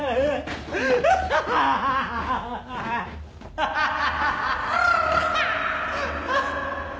アハハハハ！